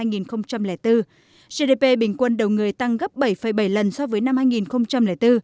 gdp bình quân đầu người tăng gấp bảy bảy lần so với năm hai nghìn bốn